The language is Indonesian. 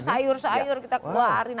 sayur sayur kita keluarin